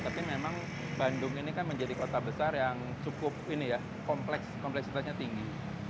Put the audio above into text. mungkin memang bandung ini kan menjadi kota besar yang cukup kompleks kompleksitasnya tinggi